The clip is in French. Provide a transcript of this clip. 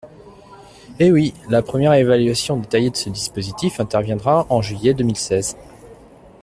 Eh oui ! La première évaluation détaillée de ce dispositif interviendra en juin deux mille seize.